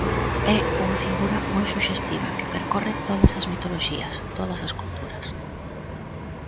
É unha figura moi suxestiva que percorre todas as mitoloxías, todas as culturas.